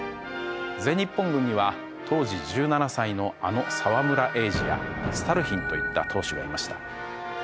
全日本軍には当時１７歳のあの沢村栄治やスタルヒンといった投手がいました。